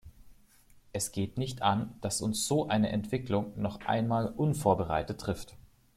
Es geht nicht an, dass uns so eine Entwicklung noch einmal unvorbereitet trifft.